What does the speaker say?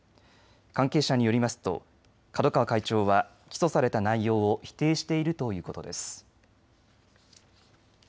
関係者によりますと角川会長は起訴された内容を否定しているということです。